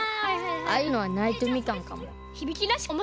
ああいうのはナイトみかんかも。